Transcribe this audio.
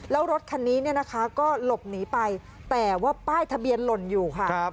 แล้วรถคันนี้เนี่ยนะคะก็หลบหนีไปแต่ว่าป้ายทะเบียนหล่นอยู่ค่ะ